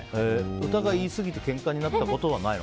お互い、言いすぎてけんかになったことはないの？